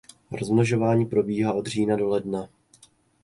Rozmnožování probíhá od října do ledna.